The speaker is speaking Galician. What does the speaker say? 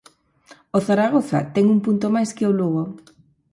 O Zaragoza ten un punto máis que o Lugo.